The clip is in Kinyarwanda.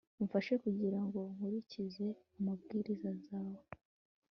umfashe kugira ngo nkurikize amabwiriza yawe